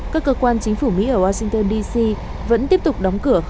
các cơ quan chính phủ mỹ ở washington dc vẫn tiếp tục đóng cửa